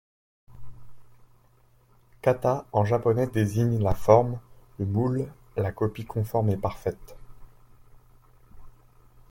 Kata, en japonais, désigne la forme, le moule, la copie conforme et parfaite.